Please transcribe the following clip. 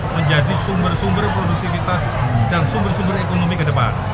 menjadi sumber sumber produksivitas dan sumber sumber ekonomi ke depan